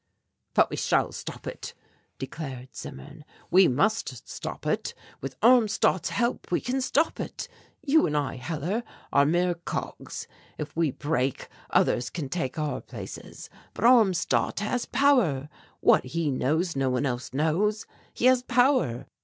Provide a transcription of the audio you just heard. "But we shall stop it," declared Zimmern, "we must stop it with Armstadt's help we can stop it. You and I, Hellar, are mere cogs; if we break others can take our places, but Armstadt has power. What he knows no one else knows. He has power.